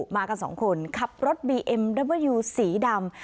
มากันสองคนขับรถบีเอ็มเวิวสีดำ